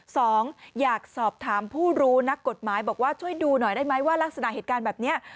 สองอยากสอบถามผู้รู้นักกฎหมายบอกว่าช่วยดูหน่อยได้ไหมว่ารักษณะเหตุการณ์แบบนี้